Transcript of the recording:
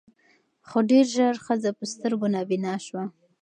خو ډېر ژر ښځه په سترګو نابینا سوه